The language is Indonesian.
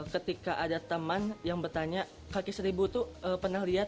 ketika ada teman yang bertanya kaki seribu itu pernah lihat